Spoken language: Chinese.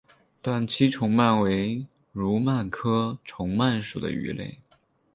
短鳍虫鳗为蠕鳗科虫鳗属的鱼类。